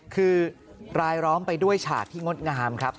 คือรายล้อมไปด้วยฉากที่งดงามครับ